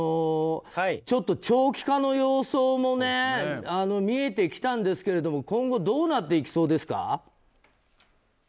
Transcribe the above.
ちょっと長期化の様相も見えてきたんですけど今後、どうなっていきそうですか。